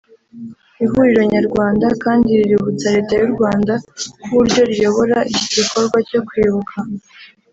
Ihuriro Nyarwanda kandi riributsa Leta y’ u Rwanda ko uburyo riyobora iki gikorwa cyo kwibuka